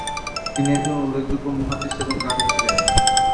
তিনি একজন উল্লেখযোগ্য মুহাদ্দিস এবং কারী ছিলেন।